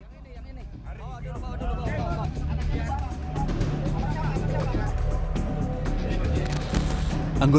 yang ini yang ini